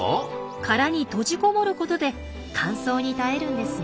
殻に閉じこもることで乾燥に耐えるんですよ。